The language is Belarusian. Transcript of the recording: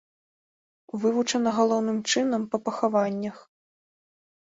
Вывучана галоўным чынам па пахаваннях.